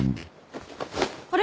あれ？